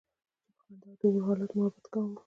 چې په خندا د اور حالاتو محبت کومه